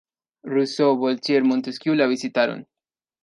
Rousseau, Voltaire, Montesquieu la visitaron.